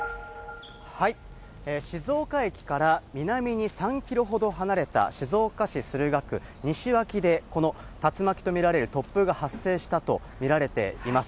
静岡駅から南に３キロほど離れた静岡市駿河区にしわきで、この竜巻と見られる突風が発生したと見られています。